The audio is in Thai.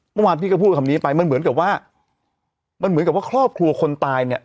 เมื่อวานพี่ก็พูดคำนี้ไปมันเหมือนกับว่ามันเหมือนกับว่าครอบครัวคนตายเนี่ย